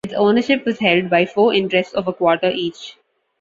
Its ownership was held by four interests of a quarter each.